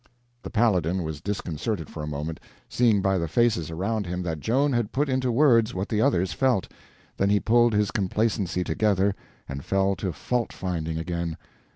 The Paladin was disconcerted for a moment, seeing by the faces around him that Joan had put into words what the others felt, then he pulled his complacency together and fell to fault finding again.